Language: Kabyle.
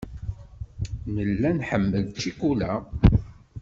Nella nḥemmel ccikula.